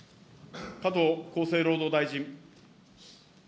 加藤厚生労働大臣。